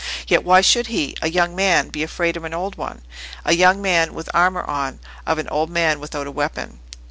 Yet why should he, a young man, be afraid of an old one? a young man with armour on, of an old man without a weapon?